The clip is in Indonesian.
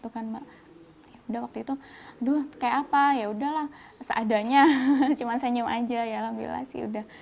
udah waktu itu kayak apa yaudah lah seadanya cuma senyum aja ya alhamdulillah sih